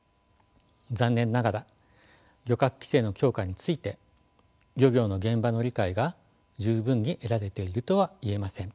残念ながら漁獲規制の強化について漁業の現場の理解が十分に得られているとは言えません。